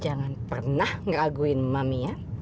jangan pernah ngaguin mami ya